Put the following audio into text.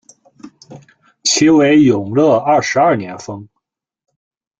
其为永乐二十二年封。